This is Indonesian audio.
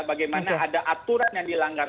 bagaimana ada aturan yang dilanggar